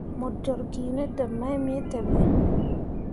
Mo dǝrriki ne deb mai me teɓe.